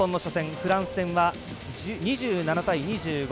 フランス戦は２７対２５